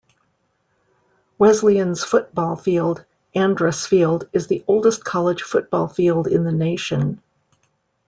Wesleyan's football field, Andrus Field, is the oldest college football field in the nation.